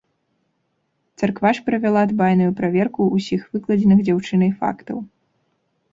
Царква ж правяла дбайную праверку ўсіх выкладзеных дзяўчынай фактаў.